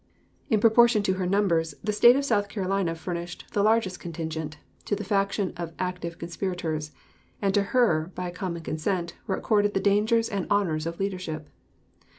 In proportion to her numbers, the State of South Carolina furnished the largest contingent to the faction of active conspirators; and to her, by a common consent, were accorded the dangers and honors of leadership.